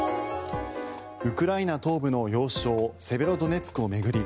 ウクライナ東部の要衝セベロドネツクを巡り